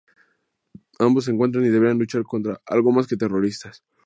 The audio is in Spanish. Ambos se encuentran y deberán luchar contra algo más que terroristas.